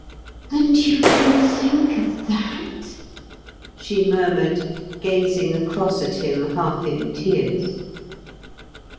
"And you can think of that? she murmured, gazing across at him half in tears.